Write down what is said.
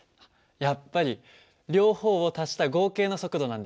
やっぱり両方を足した合計の速度なんだ。